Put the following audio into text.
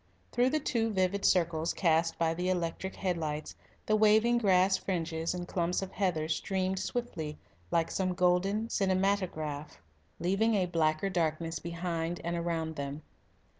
Through the two vivid circles cast by the electric head lights the waving grass fringes and clumps of heather streamed swiftly like some golden cinematograph, leaving a blacker darkness behind and around them.